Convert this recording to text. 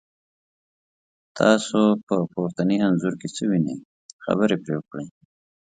تاسو په پورتني انځور کې څه وینی، خبرې پرې وکړئ؟